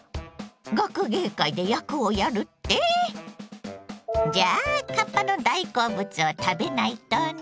学芸会で役をやるって⁉じゃあかっぱの大好物を食べないとね。